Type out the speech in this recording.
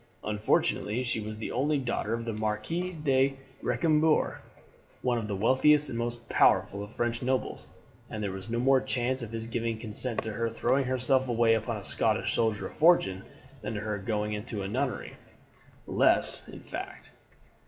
Unfortunately she was the only daughter of the Marquis de Recambours, one of the wealthiest and most powerful of French nobles, and there was no more chance of his giving his consent to her throwing herself away upon a Scottish soldier of fortune than to her going into a nunnery; less, in fact.